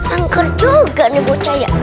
angker juga nih bocah ya